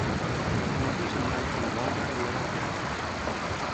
Dimecres en Marc i na Laura aniran al teatre.